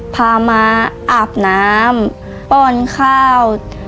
พามาอาบน้ำป้อนข้าว